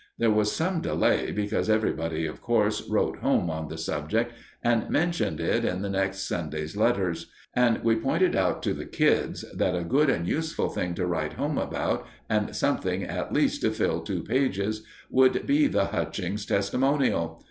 There was some delay, because everybody, of course, wrote home on the subject and mentioned it in the next Sunday's letters; and we pointed out to the kids that a good and useful thing to write home about, and something at least to fill two pages, would be the Hutchings testimonial.